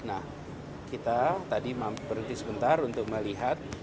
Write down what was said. nah kita tadi berhenti sebentar untuk melihat